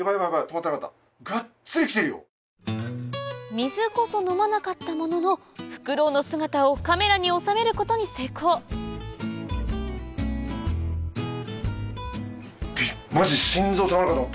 水こそ飲まなかったもののフクロウの姿をカメラに収めることに成功マジ。